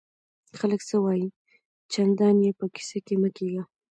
خلک څه وایي؟ چندان ئې په کیسه کي مه کېږه!